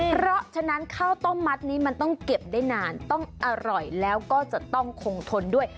เพราะฉะนั้นข้าวต้มมัดนี้มันต้องเก็บได้นานต้องอร่อยแล้วก็จะต้องคงทนด้วย